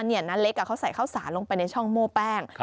น้าเล็กเขาใส่ข้าวสารลงไปในช่องโม่แป้ง